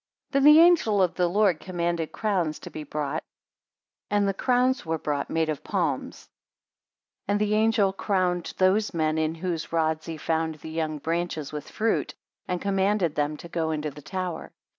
13 Then the angel of the Lord commanded crowns to be brought, and the crowns were brought made of palms; and the angel crowned those men in whose rods he found the young branches with fruit, and commanded them to go into the tower.